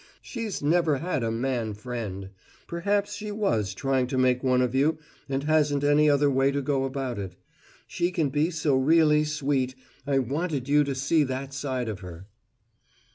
She's never had a man friend. Perhaps she was trying to make one of you and hasn't any other way to go about it. She can be so really sweet, I wanted you to see that side of her.